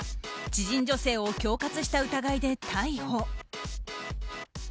知人女性を恐喝した疑いで逮捕。